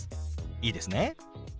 いいですね？